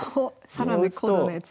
更に高度なやつ。